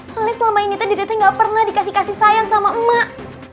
soalnya selama ini tadi gak pernah dikasih kasih sayang sama emak